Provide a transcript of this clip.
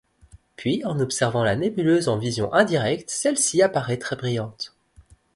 Puis en observant la nébuleuse en vision indirecte celle-ci apparaît très brillante.